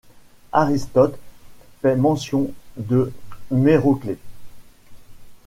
Aristote fait mention de Méroclès.